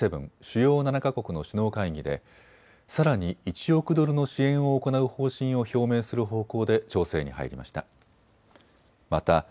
主要７か国の首脳会議でさらに１億ドルの支援を行う方針を表明する方向で調整に入りました。